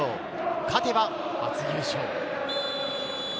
勝てば初優勝。